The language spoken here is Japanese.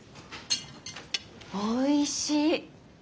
おいしい。